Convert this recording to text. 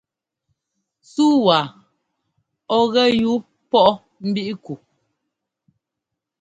Súu waa ɔ̂ gɛ yúu pɔʼ mbíʼ ku?